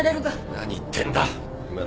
何言ってんだ